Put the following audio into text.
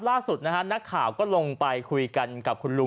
ล่าสุดนะฮะนักข่าวก็ลงไปคุยกันกับคุณลุง